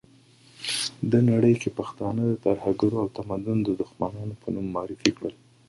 ده نړۍ کې پښتانه د ترهګرو او تمدن دښمنانو په نوم معرفي کړل.